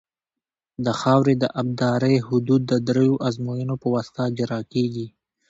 د خاورې د ابدارۍ حدود د دریو ازموینو په واسطه اجرا کیږي